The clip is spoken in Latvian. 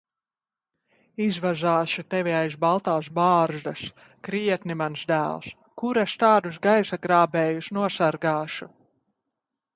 Izvazāšu tevi aiz baltās bārzdas. Krietni, mans dēls. Kur es tādus gaisa grābējus nosargāšu!